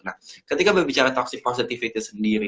nah ketika berbicara toxic positivity sendiri